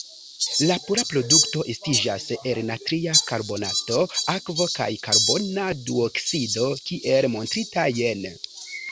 La pura produkto estiĝas el natria karbonato, akvo kaj karbona duoksido kiel montrita jene.